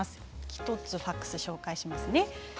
１つファックスご紹介します。